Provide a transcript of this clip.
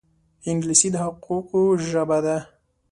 انګلیسي د حقوقو ژبه ده